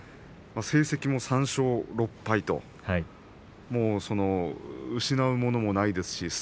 成績も３勝６敗と失うものもないですし